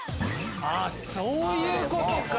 そういうことか！